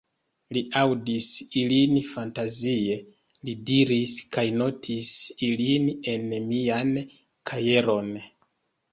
Mi aŭdis ilin fantazie, li diris, kaj notis ilin en mian kajeron.